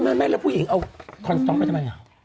ไม่แล้วผู้หญิงเอาคอนสต๊อกไปทำไม